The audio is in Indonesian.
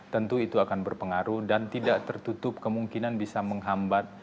tentu itu akan berpengaruh dan tidak tertutup kemungkinan bisa menghambat